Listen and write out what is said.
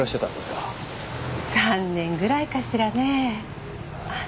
３年ぐらいかしらねあっ